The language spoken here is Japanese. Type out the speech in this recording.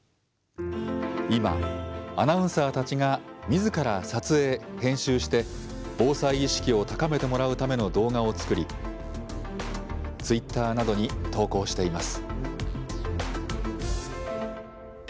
今、アナウンサーたちがみずから撮影、編集して防災意識を高めてもらうための動画を作りツイッターなどに投稿しています。